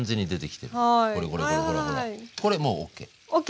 これもうＯＫ。ＯＫ！